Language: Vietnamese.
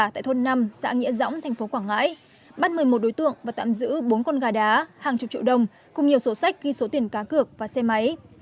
tại thôn năm xã nghĩa dõng tp quảng ngãi bắt một mươi một đối tượng và tạm giữ bốn con gà đá hàng chục triệu đồng cùng nhiều sổ sách ghi số tiền cá cược và xe máy